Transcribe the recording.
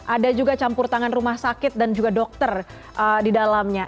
ada juga campur tangan rumah sakit dan juga dokter di dalamnya